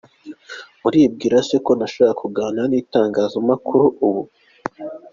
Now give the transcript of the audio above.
Muribwira se ko nashakaga kuganira n’itangazamakuru ubu.